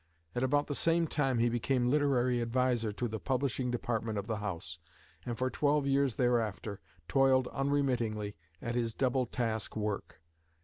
At about the same time he became literary adviser to the publishing department of the house, and for twelve years thereafter toiled unremittingly at his double task work.